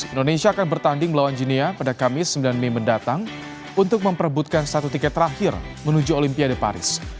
indonesia akan bertanding melawan ginia pada kamis sembilan mei mendatang untuk memperebutkan satu tiket terakhir menuju olimpiade paris